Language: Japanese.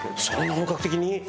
そんな本格的に？